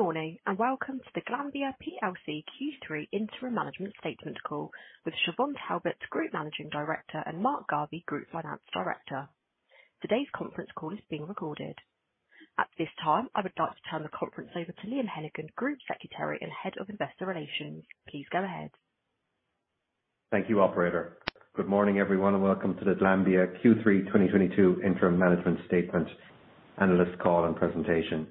Good morning, and welcome to the Glanbia PLC Q3 Interim Management Statement call with Siobhán Talbot, Group Managing Director, and Mark Garvey, Group Finance Director. Today's conference call is being recorded. At this time, I would like to turn the conference over to Liam Hennigan, Group Secretary and Head of Investor Relations. Please go ahead. Thank you, operator. Good morning, everyone, and welcome to the Glanbia Q3 2022 Interim Management Statement analyst call and presentation.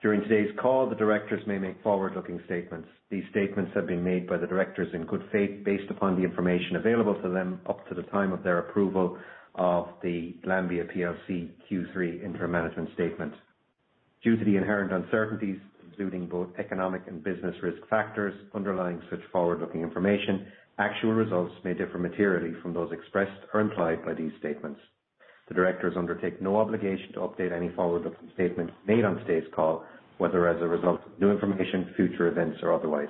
During today's call, the directors may make forward-looking statements. These statements have been made by the directors in good faith, based upon the information available to them up to the time of their approval of the Glanbia PLC Q3 Interim Management Statement. Due to the inherent uncertainties, including both economic and business risk factors underlying such forward-looking information, actual results may differ materially from those expressed or implied by these statements. The directors undertake no obligation to update any forward-looking statements made on today's call, whether as a result of new information, future events, or otherwise.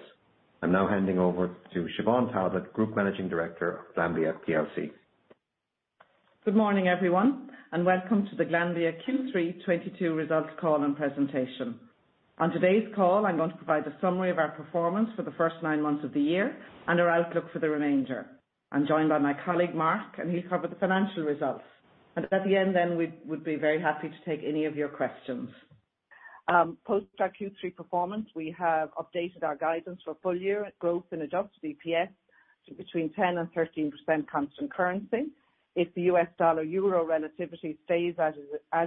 I'm now handing over to Siobhán Talbot, Group Managing Director of Glanbia PLC. Good morning, everyone, and welcome to the Glanbia Q3 2022 results call and presentation. On today's call, I'm going to provide a summary of our performance for the first nine months of the year and our outlook for the remainder. I'm joined by my colleague, Mark, and he'll cover the financial results. At the end then, we would be very happy to take any of your questions. Post our Q3 performance, we have updated our guidance for full year growth in adjusted EPS to between 10% and 13% constant currency. If the U.S. dollar/euro relativity stays as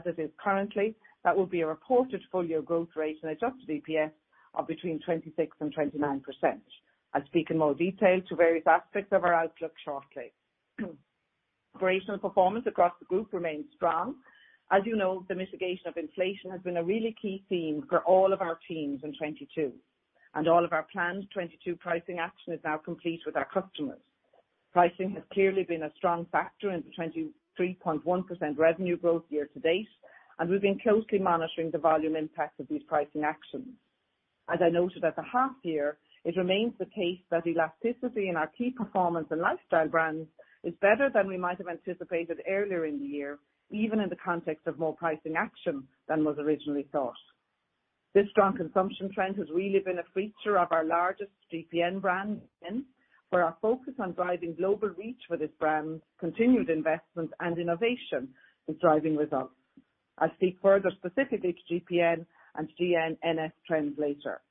it is currently, that will be a reported full year growth rate in adjusted EPS of between 26% and 29%. I'll speak in more detail to various aspects of our outlook shortly. Operational performance across the group remains strong. As you know, the mitigation of inflation has been a really key theme for all of our teams in 2022, and all of our planned 2022 pricing action is now complete with our customers. Pricing has clearly been a strong factor in the 23.1% revenue growth year to date, and we've been closely monitoring the volume impact of these pricing actions. As I noted at the half year, it remains the case that elasticity in our key performance and lifestyle brands is better than we might have anticipated earlier in the year, even in the context of more pricing action than was originally thought. This strong consumption trend has really been a feature of our largest GPN brand, ON, where our focus on driving global reach for this brand, continued investment, and innovation is driving results. I'll speak further specifically to GPN and GN NS trends later.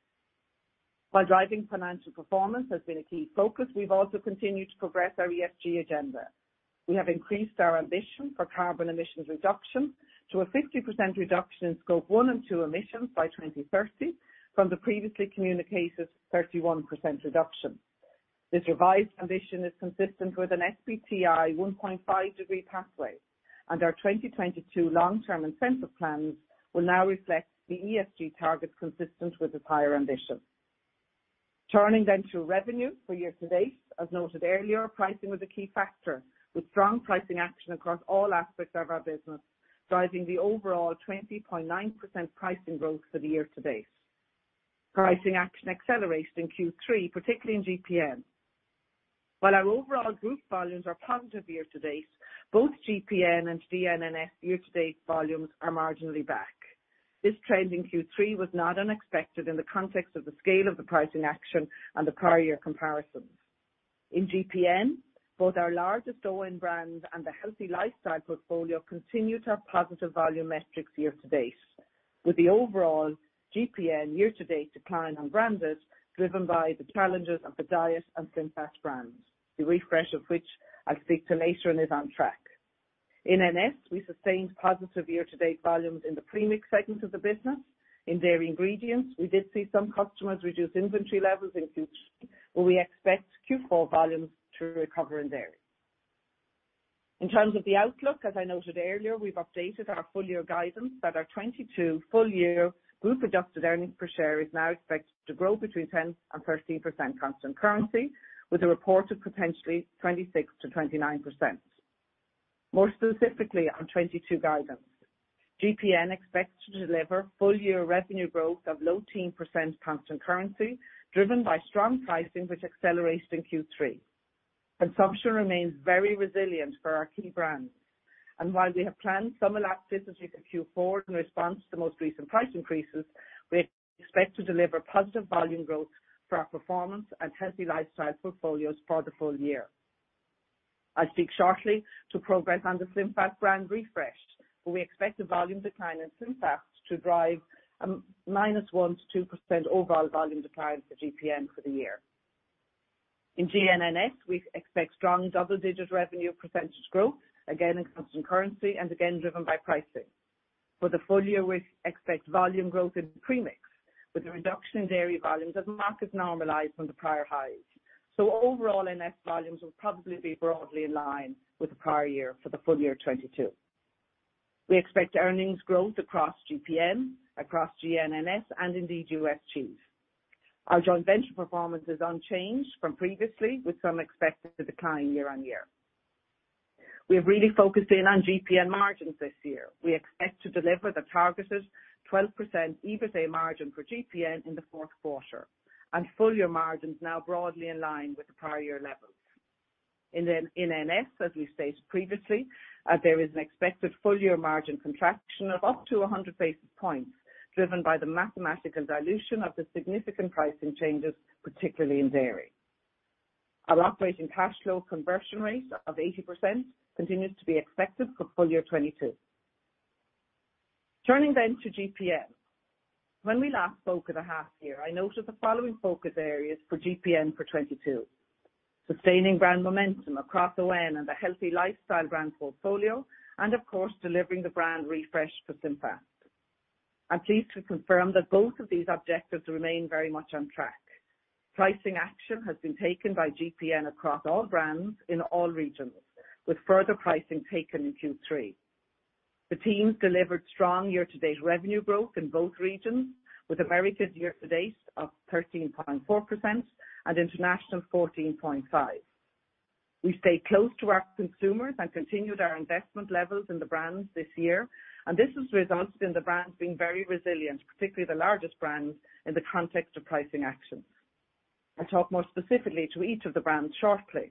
While driving financial performance has been a key focus, we've also continued to progress our ESG agenda. We have increased our ambition for carbon emissions reduction to a 50% reduction in Scope 1 and 2 emissions by 2030 from the previously communicated 31% reduction. This revised ambition is consistent with an SBTi 1.5-degree pathway, and our 2022 long-term incentive plans will now reflect the ESG targets consistent with this higher ambition. Turning to revenue for year to date. As noted earlier, pricing was a key factor, with strong pricing action across all aspects of our business, driving the overall 20.9% pricing growth for the year to date. Pricing action accelerated in Q3, particularly in GPN. While our overall group volumes are positive year to date, both GPN and GN NS year to date volumes are marginally back. This trend in Q3 was not unexpected in the context of the scale of the pricing action and the prior year comparisons. In GPN, both our largest own brands and the healthy lifestyle portfolio continue to have positive volume metrics year to date. With the overall GPN year to date decline in branded driven by the challenges of the Diet and SlimFast brands, the refresh of which I'll speak to later and is on track. In NS, we sustained positive year to date volumes in the premix segment of the business. In dairy ingredients, we did see some customers reduce inventory levels in Q3, but we expect Q4 volumes to recover in dairy. In terms of the outlook, as I noted earlier, we've updated our full year guidance that our 2022 full year group-adjusted earnings per share is now expected to grow between 10% and 13% constant currency, with a reported potentially 26%-29%. More specifically on 2022 guidance. GPN expects to deliver full year revenue growth of low teens % constant currency driven by strong pricing which accelerates in Q3. Consumption remains very resilient for our key brands. While we have planned some elasticity for Q4 in response to the most recent price increases, we expect to deliver positive volume growth for our performance and healthy lifestyle portfolios for the full year. I'll speak shortly to progress on the SlimFast brand refresh, but we expect the volume decline in SlimFast to drive a -1% to -2% overall volume decline for GPN for the year. In GN NS, we expect strong double-digit revenue percentage growth, again in constant currency and again driven by pricing. For the full year, we expect volume growth in premix, with a reduction in dairy volumes as markets normalize from the prior highs. Overall NS volumes will probably be broadly in line with the prior year for the full year 2022. We expect earnings growth across GPN, across GN NS, and indeed U.S. Cheese. Our joint venture performance is unchanged from previously, with some expected to decline year-on-year. We have really focused in on GPN margins this year. We expect to deliver the targeted 12% EBITA margin for GPN in the fourth quarter and full year margins now broadly in line with the prior year levels. In NS, as we stated previously, there is an expected full-year margin contraction of up to 100 basis points driven by the mathematical dilution of the significant pricing changes, particularly in dairy. Our operating cash flow conversion rate of 80% continues to be expected for full year 2022. Turning to GPN. When we last spoke at the half year, I noted the following focus areas for GPN for 2022. Sustaining brand momentum across ON and the healthy lifestyle brand portfolio and of course, delivering the brand refresh for SlimFast. I'm pleased to confirm that both of these objectives remain very much on track. Pricing action has been taken by GPN across all brands in all regions, with further pricing taken in Q3. The teams delivered strong year-to-date revenue growth in both regions with a very good year-to-date of 13.4% and international 14.5%. We stayed close to our consumers and continued our investment levels in the brands this year, and this has resulted in the brands being very resilient, particularly the largest brands in the context of pricing actions. I'll talk more specifically to each of the brands shortly.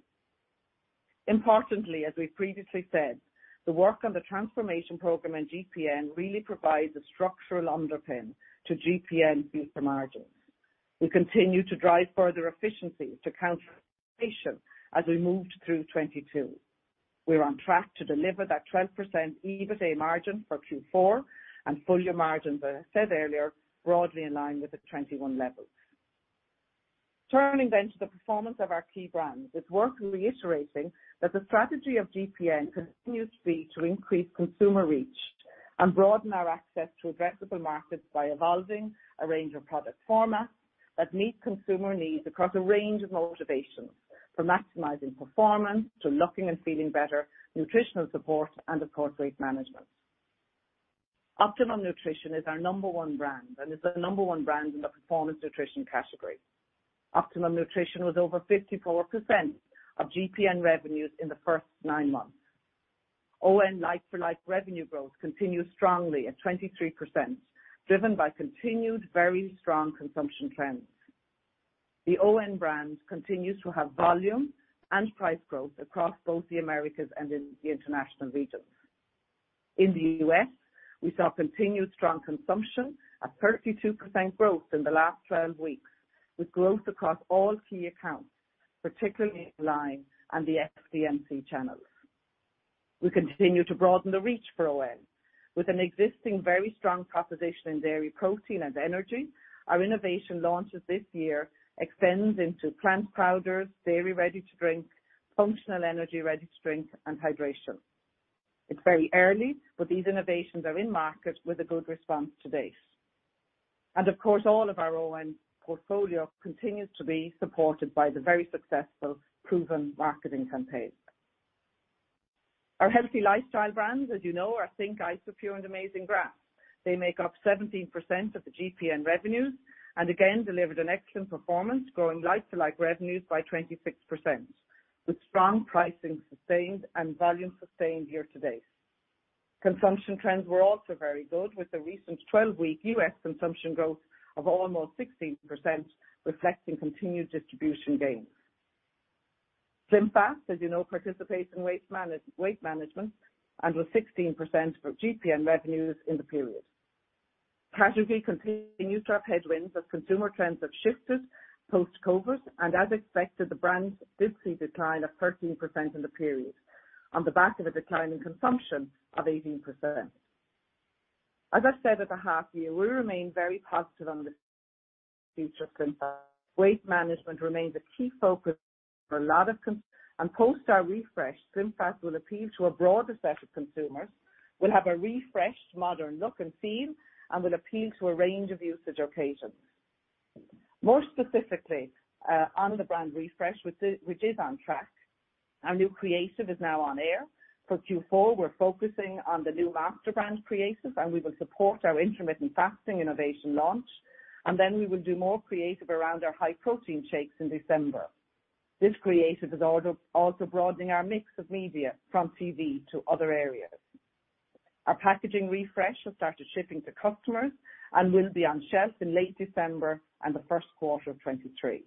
Importantly, as we've previously said, the work on the transformation program in GPN really provides a structural underpin to GPN's future margins. We continue to drive further efficiencies to counter as we moved through 2022. We're on track to deliver that 12% EBITA margin for Q4 and full year margins, as I said earlier, broadly in line with the 21 levels. Turning to the performance of our key brands. It's worth reiterating that the strategy of GPN continues to be to increase consumer reach and broaden our access to addressable markets by evolving a range of product formats that meet consumer needs across a range of motivations, from maximizing performance to looking and feeling better, nutritional support, and of course, weight management. Optimum Nutrition is our number one brand and is the number one brand in the performance nutrition category. Optimum Nutrition was over 54% of GPN revenues in the first nine months. ON like-for-like revenue growth continues strongly at 23%, driven by continued very strong consumption trends. The ON brand continues to have volume and price growth across both the Americas and in the international regions. In the U.S., we saw continued strong consumption at 32% growth in the last 12 weeks, with growth across all key accounts, particularly online and the FDMC channels. We continue to broaden the reach for ON with an existing very strong proposition in dairy protein and energy. Our innovation launches this year extends into plant powders, dairy ready to drink, functional energy ready to drink, and hydration. It's very early, but these innovations are in market with a good response to date. Of course, all of our ON portfolio continues to be supported by the very successful proven marketing campaigns. Our healthy lifestyle brands, as you know, are think!, Isopure, and Amazing Grass. They make up 17% of the GPN revenues and again delivered an excellent performance, growing like-for-like revenues by 26% with strong pricing sustained and volume sustained year to date. Consumption trends were also very good, with the recent 12-week U.S. consumption growth of almost 16%, reflecting continued distribution gains. SlimFast, as you know, participates in weight management and was 16% for GPN revenues in the period. Category continued to have headwinds as consumer trends have shifted post-COVID. As expected, the brands did see a decline of 13% in the period on the back of a decline in consumption of 18%. As I said at the half year, we remain very positive on the future of SlimFast. Weight management remains a key focus for a lot of consumers. Post our refresh, SlimFast will appeal to a broad set of consumers, will have a refreshed modern look and feel, and will appeal to a range of usage occasions. More specifically, on the brand refresh, which is on track, our new creative is now on air. For Q4 we're focusing on the new master brand creative, and we will support our intermittent fasting innovation launch, and then we will do more creative around our high protein shakes in December. This creative is also broadening our mix of media from TV to other areas. Our packaging refresh has started shipping to customers and will be on shelf in late December and the first quarter of 2023.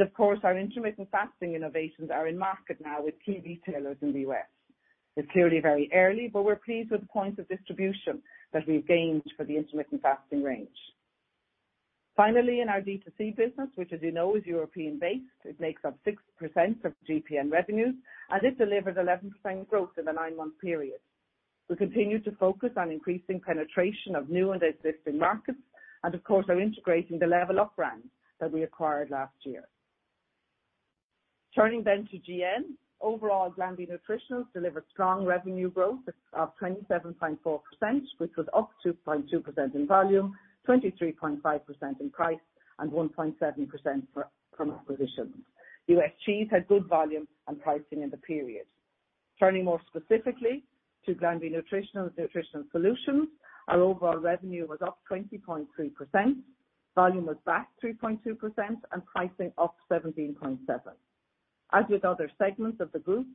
Of course, our intermittent fasting innovations are in market now with key retailers in the U.S.. It's clearly very early, but we're pleased with the points of distribution that we've gained for the intermittent fasting range. Finally, in our D2C business, which as you know is European-based, it makes up 6% of GPN revenues, and it delivered 11% growth in the nine-month period. We continue to focus on increasing penetration of new and existing markets and of course are integrating the LevlUp brands that we acquired last year. Turning to GN. Overall, Glanbia Nutritionals delivered strong revenue growth of 27.4%, which was up 2.2% in volume, 23.5% in price, and 1.7% from acquisitions. U.S. Cheese had good volume and pricing in the period. Turning more specifically to Glanbia Nutritionals Nutritional Solutions, our overall revenue was up 20.3%, volume was back 3.2%, and pricing up 17.7%. As with other segments of the group,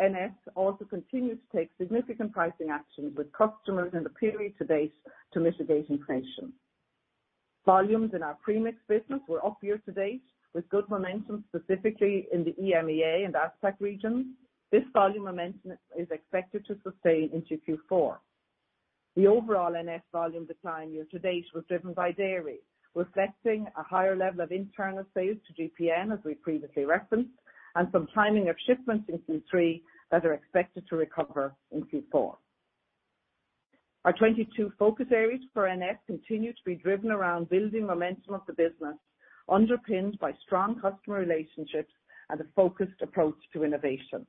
NS also continued to take significant pricing action with customers in the period to date to mitigate inflation. Volumes in our premix business were up year to date with good momentum specifically in the EMEA and APAC region. This volume momentum is expected to sustain into Q4. The overall NS volume decline year to date was driven by dairy, reflecting a higher level of internal sales to GPN as we previously referenced, and some timing of shipments in Q3 that are expected to recover in Q4. Our 2022 focus areas for NS continue to be driven around building momentum of the business, underpinned by strong customer relationships and a focused approach to innovation.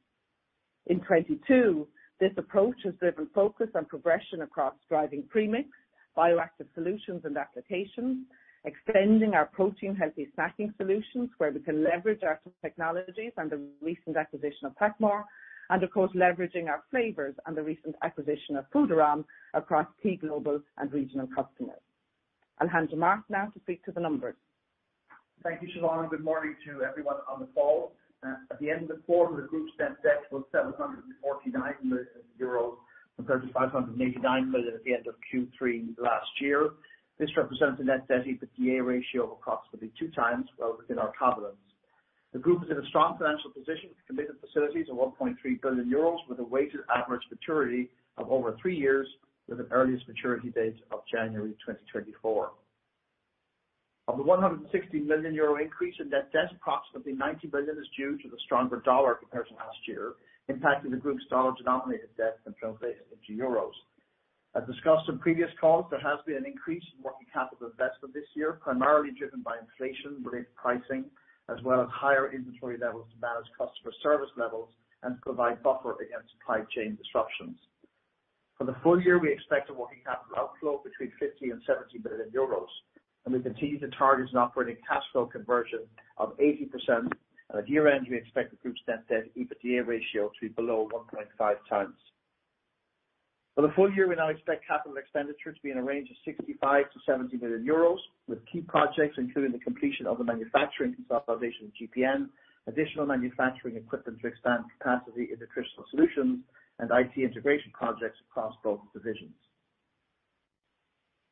In 2022, this approach has driven focus and progression across driving premix, bioactive solutions and applications, extending our protein healthy snacking solutions where we can leverage our technologies and the recent acquisition of PacMoore, and of course leveraging our flavors and the recent acquisition of Foodarom across key global and regional customers. I'll hand to Mark now to speak to the numbers. Thank you, Siobhán, and good morning to everyone on the call. At the end of the quarter, the group's net debt was 749 million euros compared to 589 million at the end of Q3 last year. This represents a net debt to EBITDA ratio of approximately 2x, well within our covenants. The group is in a strong financial position with committed facilities of 1.3 billion euros, with a weighted average maturity of over three years, with an earliest maturity date of January 2024. Of the 160 million euro increase in net debt, approximately 90 million is due to the stronger dollar compared to last year, impacting the group's dollar-denominated debt when translated into euros. As discussed in previous calls, there has been an increase in working capital investment this year, primarily driven by inflation-related pricing, as well as higher inventory levels to manage customer service levels and provide buffer against supply chain disruptions. For the full year, we expect a working capital outflow between 50 billion and 70 billion euros, and we continue to target an operating cash flow conversion of 80%. At year-end, we expect the group's net debt EBITDA ratio to be below 1.5x. For the full year, we now expect capital expenditure to be in a range of 65 million-70 million euros, with key projects including the completion of the manufacturing consolidation of GPN, additional manufacturing equipment to expand capacity in Nutritional Solutions, and IT integration projects across both divisions.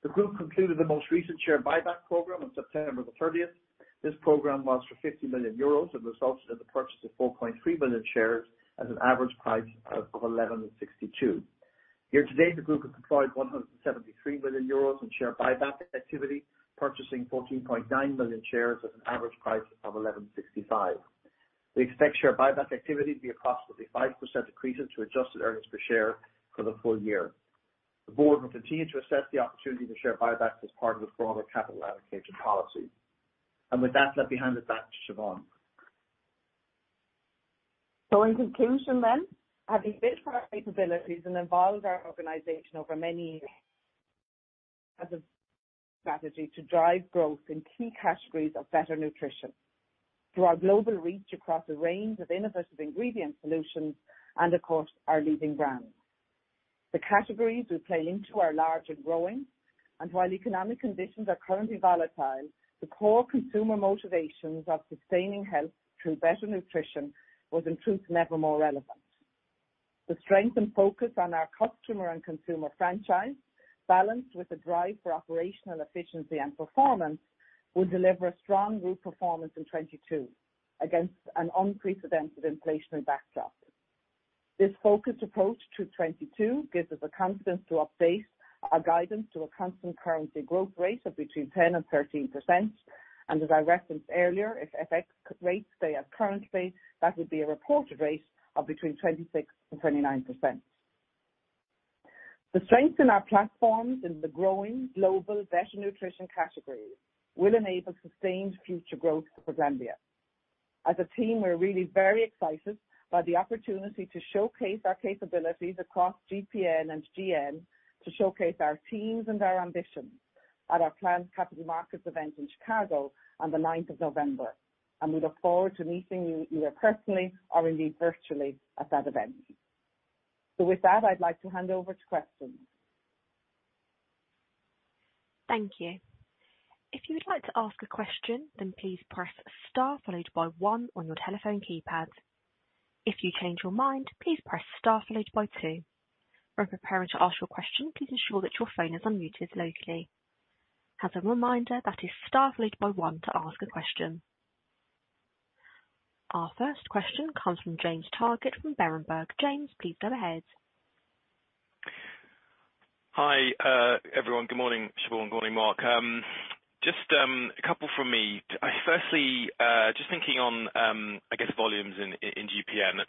The group concluded the most recent share buyback program on September 30. This program was for 50 million euros and resulted in the purchase of 4.3 million shares at an average price of 11.62. Year to date, the group has deployed 173 million euros in share buyback activity, purchasing 14.9 million shares at an average price of 11.65. We expect share buyback activity to be approximately 5% decrease to adjusted earnings per share for the full year. The board will continue to assess the opportunity to share buybacks as part of the broader capital allocation policy. With that, let me hand it back to Siobhán. In conclusion, having built on our capabilities and evolved our organization over many years as a strategy to drive growth in key categories of better nutrition through our global reach across a range of innovative ingredient solutions, and of course, our leading brands. The categories we play into are large and growing, and while economic conditions are currently volatile, the core consumer motivations of sustaining health through better nutrition was in truth, never more relevant. The strength and focus on our customer and consumer franchise, balanced with a drive for operational efficiency and performance, will deliver a strong group performance in 2022 against an unprecedented inflationary backdrop. This focused approach to 2022 gives us the confidence to update our guidance to a constant currency growth rate of between 10% and 13%. As I referenced earlier, if FX rates stay at current rates, that would be a reported rate of between 26% and 29%. The strength in our platforms in the growing global better nutrition categories will enable sustained future growth for Glanbia. As a team, we're really very excited by the opportunity to showcase our capabilities across GPN and GN, to showcase our teams and our ambitions at our planned capital markets event in Chicago on the ninth of November. We look forward to meeting you either personally or indeed virtually at that event. With that, I'd like to hand over to questions. Thank you. If you would like to ask a question, then please press star followed by one on your telephone keypad. If you change your mind, please press star followed by two. When preparing to ask your question, please ensure that your phone is unmuted locally. As a reminder, that is star followed by one to ask a question. Our first question comes from James Targett from Berenberg. James, please go ahead. Hi, everyone. Good morning, Siobhán. Good morning, Mark. Just a couple from me. Firstly, just thinking on, I guess volumes in GPN.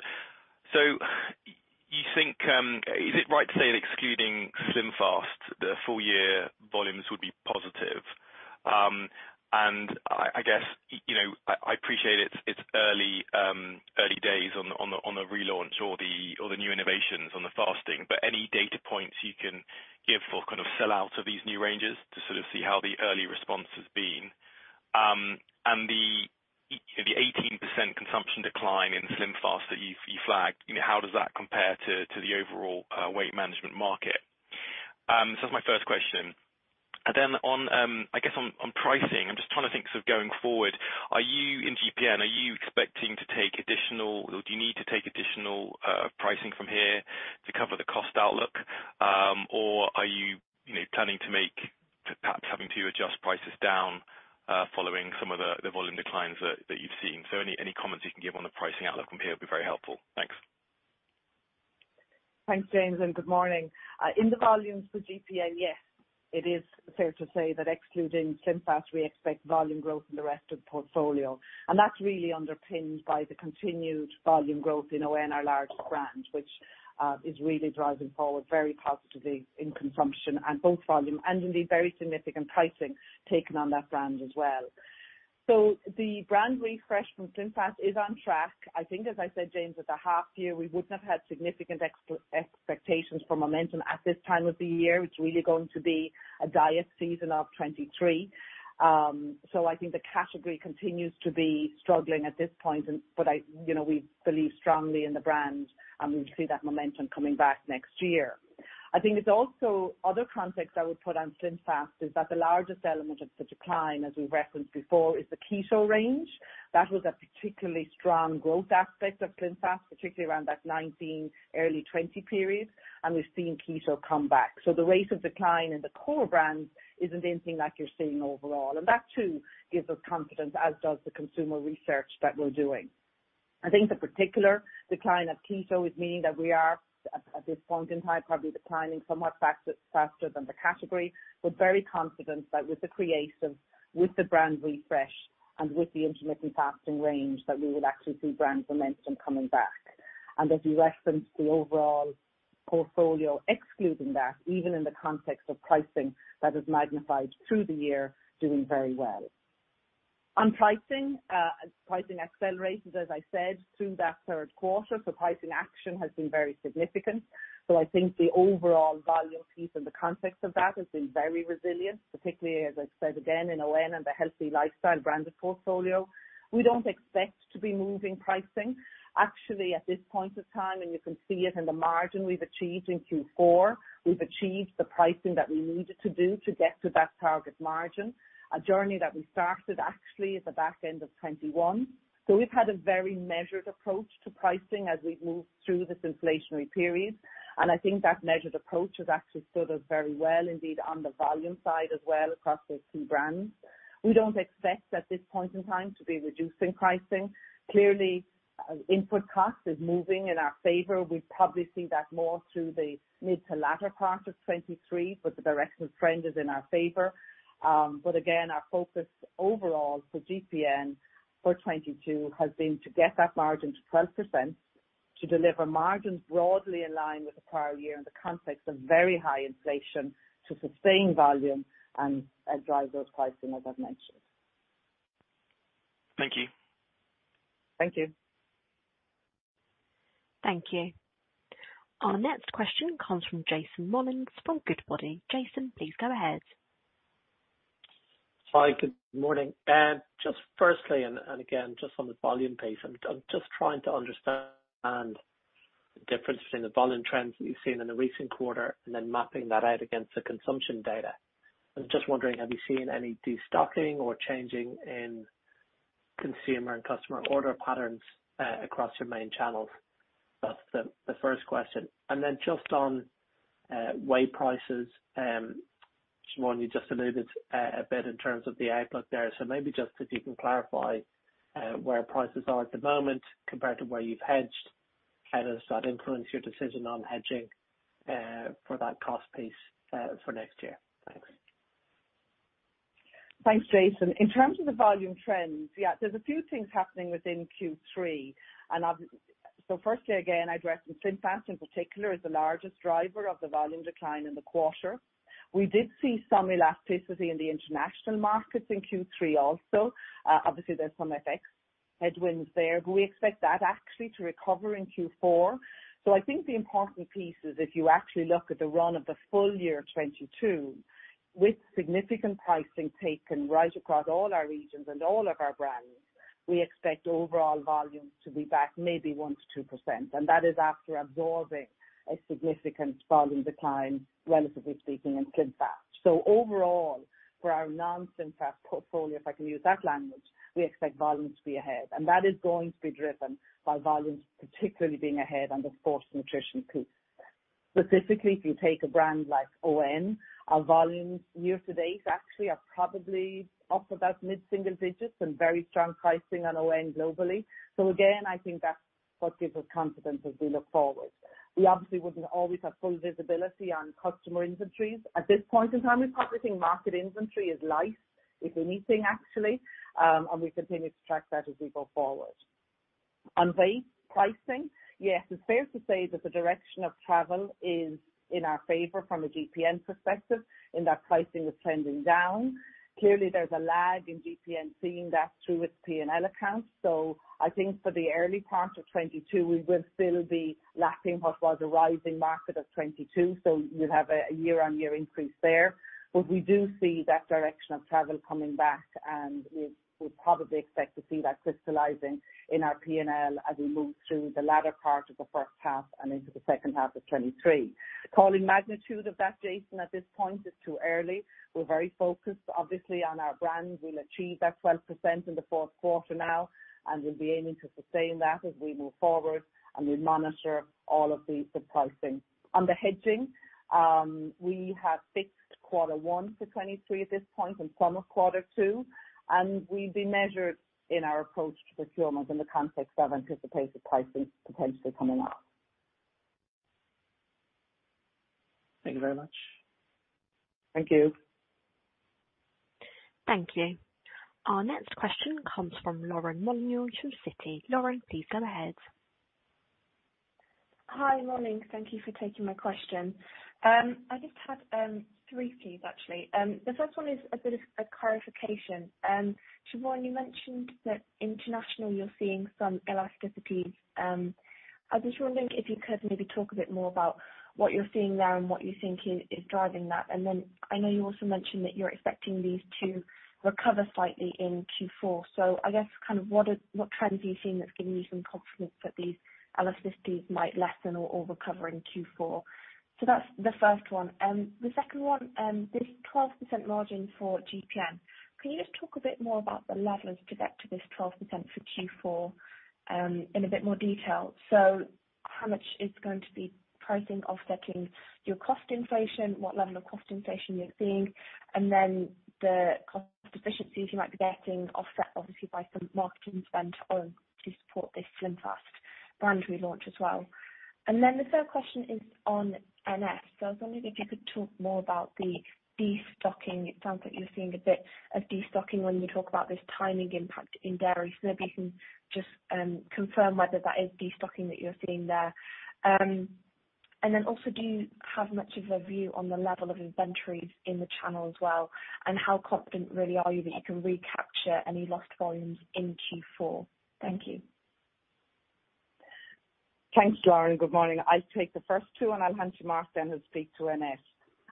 You think, is it right to say that excluding SlimFast, the full year volumes would be positive? I guess, you know, I appreciate it's early days on the relaunch or the new innovations on SlimFast, but any data points you can give for kind of sell out of these new ranges to sort of see how the early response has been. The 18% consumption decline in SlimFast that you flagged, you know, how does that compare to the overall weight management market? That's my first question. I guess on pricing, I'm just trying to think sort of going forward, are you in GPN expecting to take additional or do you need to take additional pricing from here to cover the cost outlook? Or are you know, planning to adjust prices down following some of the volume declines that you've seen. Any comments you can give on the pricing outlook from here would be very helpful. Thanks. Thanks, James, and good morning. In the volumes for GPN, yes, it is fair to say that excluding SlimFast, we expect volume growth in the rest of the portfolio, and that's really underpinned by the continued volume growth in ON, our large brand, which is really driving forward very positively in consumption and both volume and indeed very significant pricing taken on that brand as well. So the brand refresh from SlimFast is on track. I think, as I said, James, at the half year we wouldn't have had significant expectations for momentum at this time of the year. It's really going to be a diet season of 2023. So I think the category continues to be struggling at this point, you know, we believe strongly in the brand, and we see that momentum coming back next year. I think it's also other context I would put on SlimFast is that the largest element of the decline, as we referenced before, is the keto range. That was a particularly strong growth aspect of SlimFast, particularly around that 2019, early 2020 period, and we're seeing keto come back. The rate of decline in the core brands isn't anything like you're seeing overall, and that too gives us confidence as does the consumer research that we're doing. I think the particular decline of keto is meaning that we are at this point in time, probably declining somewhat faster than the category. We're very confident that with the creative, with the brand refresh, and with the intermittent fasting range, that we will actually see brand momentum coming back. As we referenced, the overall portfolio excluding that, even in the context of pricing that is magnified through the year, doing very well. On pricing accelerated, as I said, through that third quarter. Pricing action has been very significant. I think the overall volume piece in the context of that has been very resilient, particularly, as I said, again, in ON and the healthy lifestyle branded portfolio. We don't expect to be moving pricing. Actually, at this point of time, and you can see it in the margin we've achieved in Q4, we've achieved the pricing that we needed to do to get to that target margin, a journey that we started actually at the back end of 2021. We've had a very measured approach to pricing as we've moved through this inflationary period, and I think that measured approach has actually stood us very well indeed on the volume side as well across those key brands. We don't expect at this point in time to be reducing pricing. Clearly, input cost is moving in our favor. We probably see that more through the mid to latter part of 2023, but the directional trend is in our favor. But again, our focus overall for GPN for 2022 has been to get that margin to 12%, to deliver margins broadly in line with the prior year in the context of very high inflation, to sustain volume and drive those pricing as I've mentioned. Thank you. Thank you. Thank you. Our next question comes from Jason Molins from Goodbody. Jason, please go ahead. Hi, good morning. Just firstly, again, just on the volume piece, I'm just trying to understand the difference between the volume trends that you've seen in the recent quarter and then mapping that out against the consumption data. I'm just wondering, have you seen any destocking or changing in consumer and customer order patterns across your main channels? That's the first question. Then just on whey prices, Siobhán, you just alluded a bit in terms of the outlook there. Maybe just if you can clarify where prices are at the moment compared to where you've hedged, how does that influence your decision on hedging for that cost piece for next year? Thanks. Thanks, Jason. In terms of the volume trends, yeah, there's a few things happening within Q3. Firstly, again, I'd reference SlimFast in particular as the largest driver of the volume decline in the quarter. We did see some elasticity in the international markets in Q3 also. Obviously, there's some FX headwinds there. We expect that actually to recover in Q4. I think the important piece is if you actually look at the run of the full year of 2022, with significant pricing taken right across all our regions and all of our brands, we expect overall volumes to be back maybe 1%-2%, and that is after absorbing a significant volume decline, relatively speaking, in SlimFast. Overall, for our non-SlimFast portfolio, if I can use that language, we expect volumes to be ahead. That is going to be driven by volumes particularly being ahead on the sports nutrition piece. Specifically, if you take a brand like ON, our volumes year to date actually are probably up about mid-single digits and very strong pricing on ON globally. Again, I think that's what gives us confidence as we look forward. We obviously wouldn't always have full visibility on customer inventories. At this point in time, we're forecasting market inventory is light, if anything actually, and we continue to track that as we go forward. On whey pricing, yes, it's fair to say that the direction of travel is in our favor from a GPN perspective, in that pricing was trending down. Clearly, there's a lag in GPN seeing that through its P&L accounts. I think for the early part of 2022, we will still be lacking what was a rising market of 2022. You'll have a year-on-year increase there. We do see that direction of travel coming back and we probably expect to see that crystallizing in our P&L as we move through the latter part of the first half and into the second half of 2023. Calling magnitude of that, Jason, at this point is too early. We're very focused obviously on our brands. We'll achieve that 12% in the fourth quarter now, and we'll be aiming to sustain that as we move forward and we monitor all of the pricing. On the hedging, we have fixed quarter one for 2023 at this point and some of quarter two, and we've been measured in our approach to procurement in the context of anticipated pricing potentially coming up. Thank you very much. Thank you. Thank you. Our next question comes from Lauren Molyneux from Citi. Lauren, please go ahead. Hi, morning. Thank you for taking my question. I just have three, please, actually. The first one is a bit of a clarification. Siobhán, you mentioned that international, you're seeing some elasticities. I'm just wondering if you could maybe talk a bit more about what you're seeing there and what you think is driving that. I know you also mentioned that you're expecting these to recover slightly in Q4. I guess kind of what trends are you seeing that's giving you some confidence that these elasticities might lessen or recover in Q4. That's the first one. The second one, this 12% margin for GPN, can you just talk a bit more about the levers to get to this 12% for Q4, in a bit more detail? How much is going to be pricing offsetting your cost inflation? What level of cost inflation you're seeing, and then the cost efficiencies you might be getting offset obviously by some marketing spend on to support this SlimFast brand relaunch as well. Then the third question is on NS. I was wondering if you could talk more about the de-stocking. It sounds like you're seeing a bit of de-stocking when you talk about this timing impact in dairy. Maybe you can just confirm whether that is de-stocking that you're seeing there. And then also, do you have much of a view on the level of inventories in the channel as well, and how confident really are you that you can recapture any lost volumes in Q4? Thank you. Thanks, Lauren. Good morning. I'll take the first two, and I'll hand to Mark then, who'll speak to NS.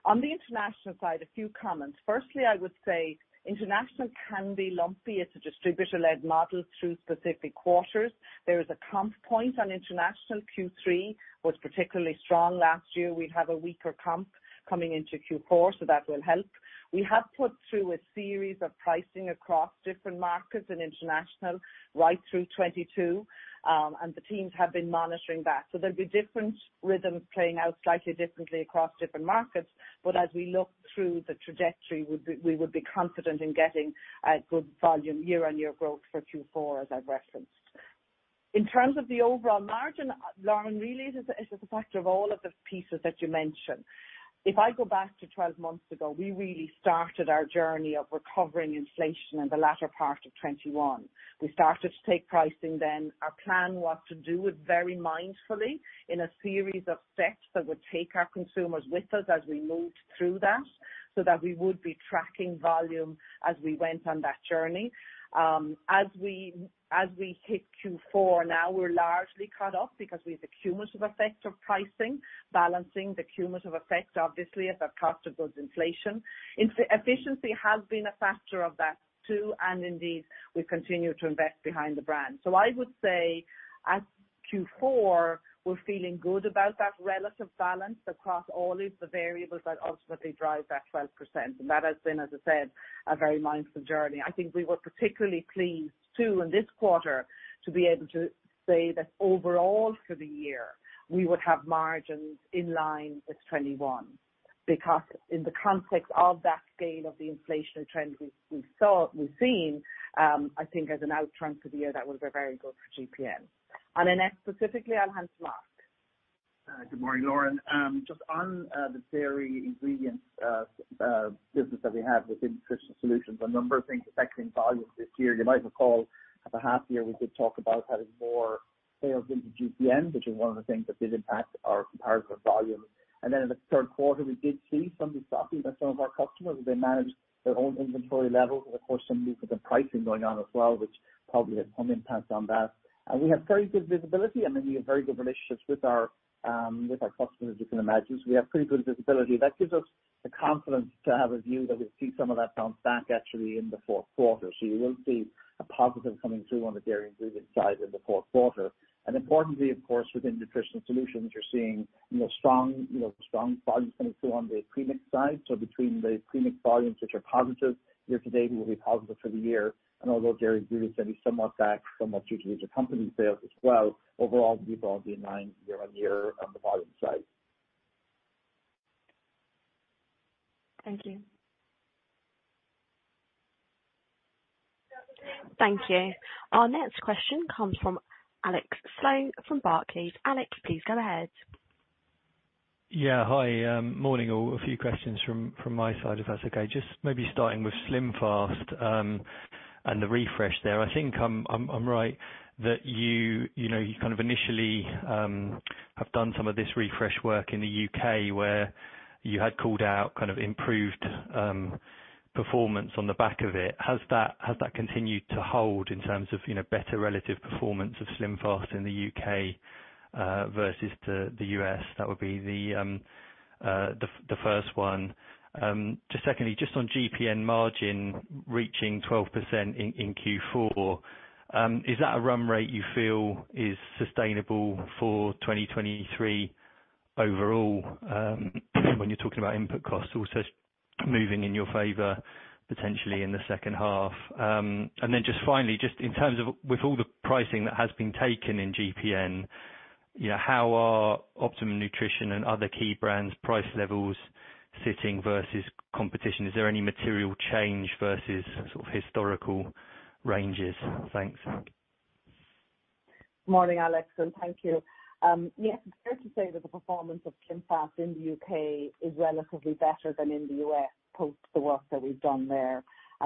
On the international side, a few comments. Firstly, I would say international can be lumpy. It's a distributor-led model through specific quarters. There is a comp point on international. Q3 was particularly strong last year. We have a weaker comp coming into Q4, so that will help. We have put through a series of pricing across different markets in international right through 2022, and the teams have been monitoring that. So there'll be different rhythms playing out slightly differently across different markets, but as we look through the trajectory, we would be confident in getting a good volume year-on-year growth for Q4, as I've referenced. In terms of the overall margin, Lauren, really it is, it's the factor of all of the pieces that you mentioned. If I go back to 12 months ago, we really started our journey of recovering inflation in the latter part of 2021. We started to take pricing then. Our plan was to do it very mindfully in a series of steps that would take our consumers with us as we moved through that, so that we would be tracking volume as we went on that journey. As we hit Q4, now we're largely cut off because we have the cumulative effect of pricing, balancing the cumulative effect, obviously at the cost of goods inflation. Inefficiency has been a factor of that, too, and indeed, we continue to invest behind the brand. So I would say at Q4, we're feeling good about that relative balance across all of the variables that ultimately drive that 12%. That has been, as I said, a very mindful journey. I think we were particularly pleased too, in this quarter to be able to say that overall for the year, we would have margins in line with 21%. Because in the context of that scale of the inflationary trends we've seen, I think as an outturn for the year, that would be very good for GPN. On NS specifically, I'll hand to Mark. Good morning, Lauren. Just on the dairy ingredients business that we have within Nutritional Solutions, a number of things affecting volume this year. You might recall at the half year, we did talk about having more sales into GPN, which is one of the things that did impact our comparative volume. Then in the third quarter, we did see some de-stocking by some of our customers as they managed their own inventory levels. Of course, some movement in pricing going on as well, which probably had some impact on that. We have very good visibility, and we have very good relationships with our customers, as you can imagine. We have pretty good visibility. That gives us the confidence to have a view that we'll see some of that bounce back actually in the fourth quarter. You will see a positive coming through on the dairy ingredient side in the fourth quarter. Importantly, of course, within Nutritional Solutions, you're seeing, you know, strong volumes coming through on the premix side. Between the premix volumes, which are positive year to date and will be positive for the year, and although dairy ingredients may be somewhat back, somewhat due to inter-company sales as well, overall we will be online year-on-year on the volume side. Thank you. Thank you. Our next question comes from Alex Sloane from Barclays. Alex, please go ahead. Yeah. Hi, morning all. A few questions from my side, if that's okay. Just maybe starting with SlimFast and the refresh there. I think I'm right that you know you kind of initially have done some of this refresh work in the U.K. where you had called out kind of improved performance on the back of it. Has that continued to hold in terms of you know better relative performance of SlimFast in the U.K. versus to the U.S.? That would be the first one. Just secondly, just on GPN margin reaching 12% in Q4, is that a run rate you feel is sustainable for 2023 overall, when you're talking about input costs also moving in your favor potentially in the second half? Just finally, just in terms of with all the pricing that has been taken in GPN, you know, how are Optimum Nutrition and other key brands' price levels sitting versus competition? Is there any material change versus sort of historical ranges? Thanks. Morning, Alex, and thank you. Yes, it's fair to say that the performance of SlimFast in the U.K. is relatively better than in the U.S. Post the work that we've done there.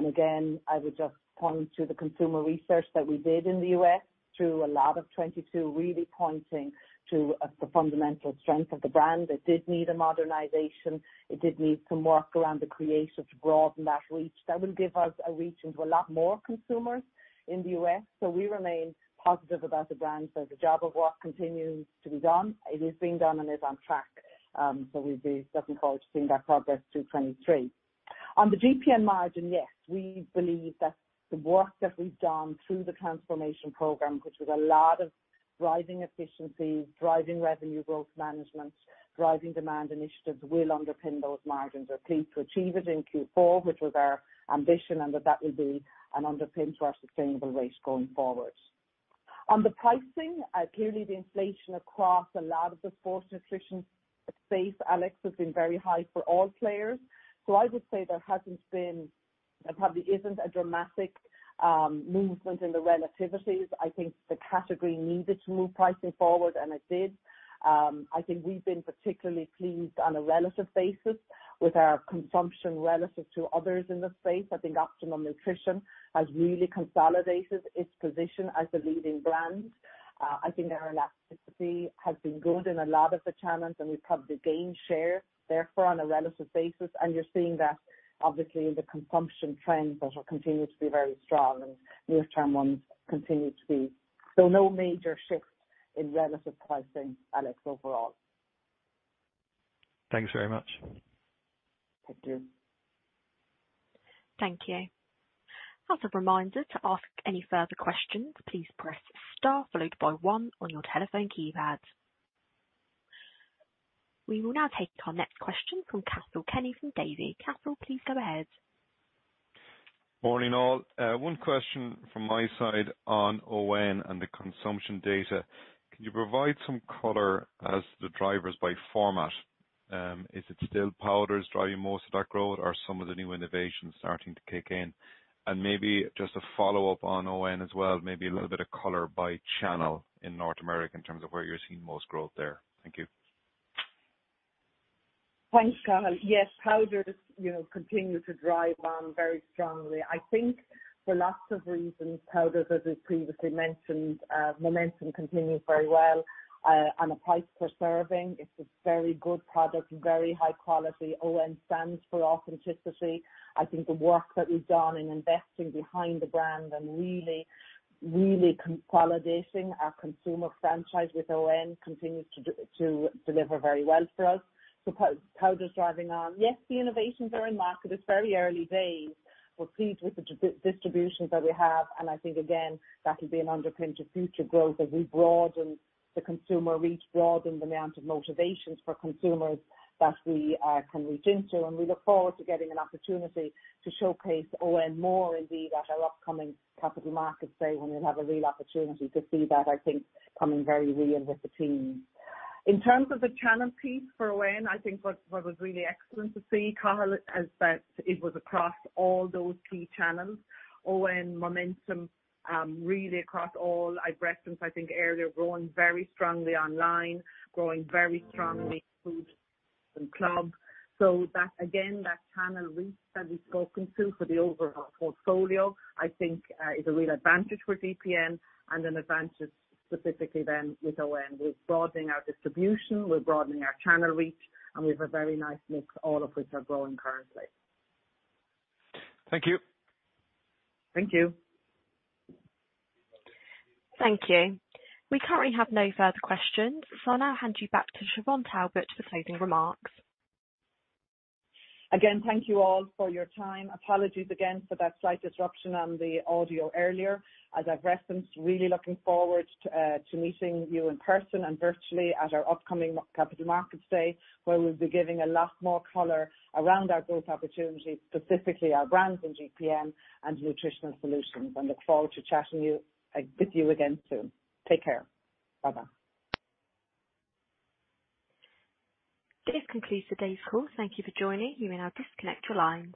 Again, I would just point to the consumer research that we did in the U.S. through a lot of 2022, really pointing to the fundamental strength of the brand. It did need a modernization. It did need some work around the creative to broaden that reach. That will give us a reach into a lot more consumers in the U.S., so we remain positive about the brand. There's a job of work continues to be done. It is being done and is on track. We'd be looking forward to seeing that progress through 2023. On the GPN margin, yes, we believe that the work that we've done through the transformation program, which was a lot of driving efficiency, driving revenue growth management, driving demand initiatives, will underpin those margins. We're pleased to achieve it in Q4, which was our ambition, and that will be an underpin to our sustainable rate going forward. On the pricing, clearly the inflation across a lot of the sports nutrition space, Alex, has been very high for all players. So I would say there probably isn't a dramatic movement in the relativities. I think the category needed to move pricing forward, and it did. I think we've been particularly pleased on a relative basis with our consumption relative to others in the space. I think Optimum Nutrition has really consolidated its position as a leading brand. I think our elasticity has been good in a lot of the channels, and we've probably gained share, therefore on a relative basis. You're seeing that obviously in the consumption trends that have continued to be very strong and near-term ones continue to be. No major shifts in relative pricing, Alex, overall. Thanks very much. Thank you. Thank you. As a reminder, to ask any further questions, please press star followed by one on your telephone keypad. We will now take our next question from Cathal Kenny from Davy. Cathal, please go ahead. Morning, all. One question from my side on ON and the consumption data. Can you provide some color as the drivers by format? Is it still powders driving most of that growth or some of the new innovations starting to kick in? Maybe just a follow-up on ON as well, maybe a little bit of color by channel in North America in terms of where you're seeing most growth there. Thank you. Thanks, Cathal. Yes, powders, you know, continue to drive ON very strongly. I think for lots of reasons, powders, as we previously mentioned, momentum continues very well, on a price per serving. It's a very good product, very high quality. ON stands for authenticity. I think the work that we've done in investing behind the brand and really, really consolidating our consumer franchise with ON continues to deliver very well for us. Powders driving ON. Yes, the innovations are in market. It's very early days. We're pleased with the distribution that we have, and I think again, that'll be an underpin to future growth as we broaden the consumer reach, broaden the amount of motivations for consumers that we can reach into. We look forward to getting an opportunity to showcase ON more indeed at our upcoming Capital Markets Day, when we'll have a real opportunity to see that, I think, coming very real with the team. In terms of the channel piece for ON, I think what was really excellent to see, Cathal, is that it was across all those key channels. ON momentum really across all. I referenced, I think earlier, growing very strongly online, growing very strongly in food and club. That again, that channel reach that we've spoken to for the overall portfolio, I think, is a real advantage for GPN and an advantage specifically then with ON. We're broadening our distribution, we're broadening our channel reach, and we have a very nice mix, all of which are growing currently. Thank you. Thank you. Thank you. We currently have no further questions, so I'll now hand you back to Siobhán Talbot for closing remarks. Again, thank you all for your time. Apologies again for that slight disruption on the audio earlier. As I've referenced, really looking forward to meeting you in person and virtually at our upcoming Capital Markets Day, where we'll be giving a lot more color around our growth opportunities, specifically our brands in GPN and Nutritional Solutions. I look forward to chatting with you again soon. Take care. Bye-bye. This concludes today's call. Thank you for joining. You may now disconnect your lines.